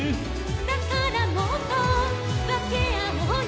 「だからもっとわけあおうよ」